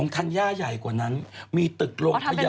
ธัญญาใหญ่กว่านั้นมีตึกโรงพยาบาล